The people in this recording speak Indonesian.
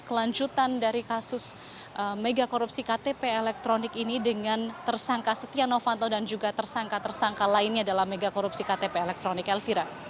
klanjutan dari kasus megakorupsi ktp elektronik ini dengan tersangka setia novanto dan juga tersangka tersangka lainnya dalam megakorupsi ktp elektronik elvira